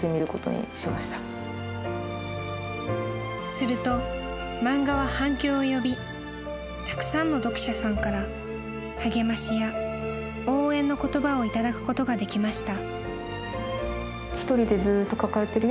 ［すると漫画は反響を呼びたくさんの読者さんから励ましや応援の言葉をいただくことができました］